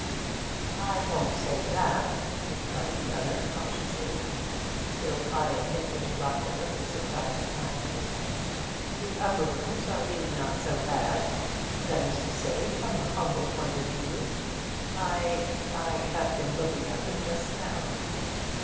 'I won't say that,' replied the other cautiously, still eyeing his interlocutor with surprised glances. 'The upper rooms are really not so bad that is to say, from a humble point of view. I I have been looking at them just now.